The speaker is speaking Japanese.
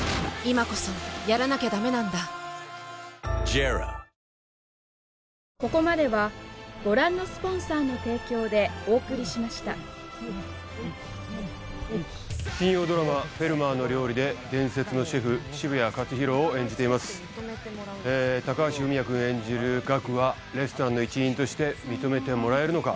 えええぇ⁉ＬＧ２１金曜ドラマ「フェルマーの料理」で伝説のシェフ渋谷克洋を演じています高橋文哉君演じる岳はレストランの一員として認めてもらえるのか？